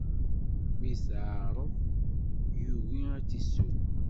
Mi t-iɛreḍ, yugi ad t-isew.